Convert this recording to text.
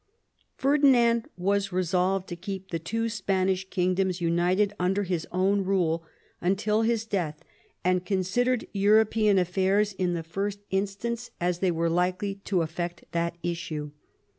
Ferdinand was resolved to keep the two Spanish kingdoms united under his own rule until his death, and considered European afiairs in the first instance as they were likely to affect that issue.